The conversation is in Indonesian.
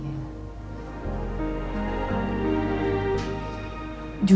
jujur aku tuh cuman takut